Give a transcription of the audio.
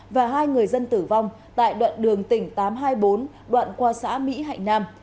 và hai người dân tử vong tại đoạn đường tỉnh tám trăm hai mươi bốn đoạn qua xã mỹ hạnh nam